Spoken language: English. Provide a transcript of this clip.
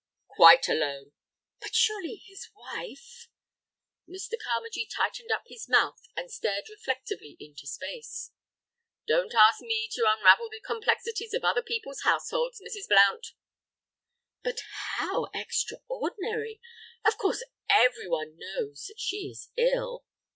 "Quite alone." "But surely his wife—?" Mr. Carmagee tightened up his mouth and stared reflectively into space. "Don't ask me to unravel the complexities of other people's households, Mrs. Blount." "But how extraordinary! Of course everyone knows that she is ill."